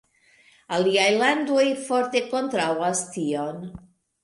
Aliaj landoj forte kontraŭas tion.